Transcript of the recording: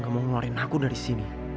gak mau ngeluarin aku dari sini